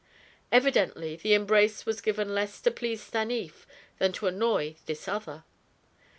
Evidently the embrace was given less to please Stanief than to annoy this other.